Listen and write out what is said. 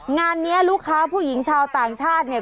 งานนี้ลูกค้าผู้หญิงชาวต่างชาติเนี่ย